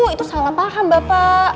itu salah paham bapak